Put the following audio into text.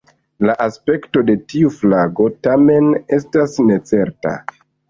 La aspekto de tiu flago tamen estas necerta.